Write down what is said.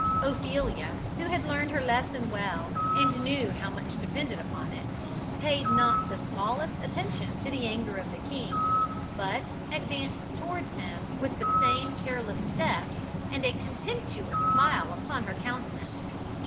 Ophelia, who had learned her lesson well, and knew how much depended upon it, paid not the smallest attention to the anger of the king, but advanced towards him with the same careless step, and a contemptuous smile upon her countenance.